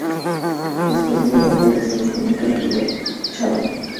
Especie de broca de acero cónica y ochavada.